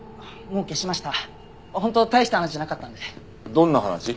どんな話？